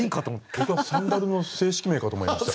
僕はサンダルの正式名かと思いました。